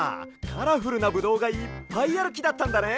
カラフルなブドウがいっぱいあるきだったんだね。